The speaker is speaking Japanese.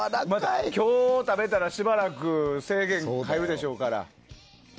今日食べたら、またしばらく制限に入るでしょうから。